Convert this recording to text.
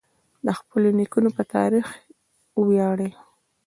د خپلو نیکونو په تاریخ وویاړئ.